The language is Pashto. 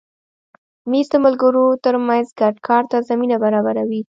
مېز د ملګرو تر منځ ګډ کار ته زمینه برابروي.